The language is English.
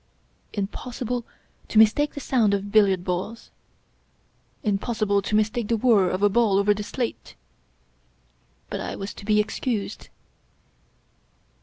Impossible to mistake the sound of billiard balls ! Im possible to mistake the whir of a ball over the slate ! But I was to be excused.